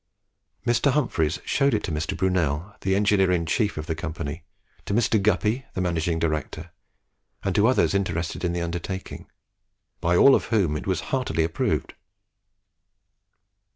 Mr. Humphries showed it to Mr. Brunel, the engineer inchief of the company, to Mr. Guppy, the managing director, and to others interested in the undertaking, by all of whom it was heartily approved.